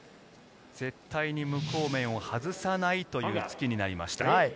絶対に無効面を外さないという突きになりました。